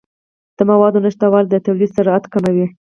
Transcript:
د موادو نشتوالی د تولید سرعت کموي.